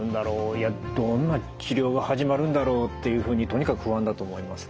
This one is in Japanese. いやどんな治療が始まるんだろう？っていうふうにとにかく不安だと思います。